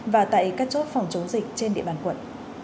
và tại các chốt phòng chống dịch trên địa bàn quận